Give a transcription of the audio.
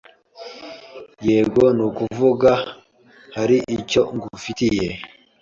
Yego, nukuvuga, hari icyo ngufitiye.